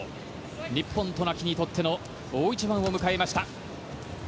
日本、渡名喜にとっての大一番を迎えました。